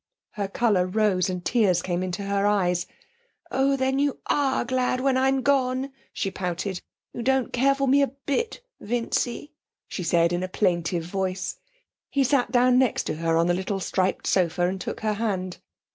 Her colour rose, and tears came to her eyes. 'Oh, then you are glad when I'm gone!' She pouted. 'You don't care for me a bit, Vincy,' she said, in a plaintive voice. He sat down next to her on the little striped sofa, and took her hand.